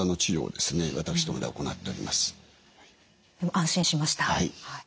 でも安心しました。